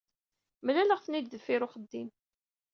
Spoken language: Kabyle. Mlaleɣ-ten-id deffir uxeddim.